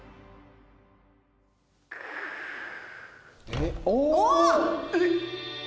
えっ！